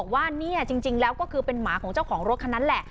ว่าเนี่ยจริงแล้วก็คือเป็นหมาของเจ้าของรถคันนั้นแหละ